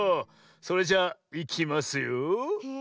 それじゃあいきますよ。